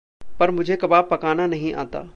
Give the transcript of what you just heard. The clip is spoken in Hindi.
पर मुझे कबाब पकाना नहीं आता!